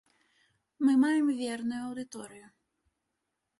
Мы маем верную аўдыторыю.